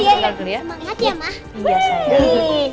semangat ya mbak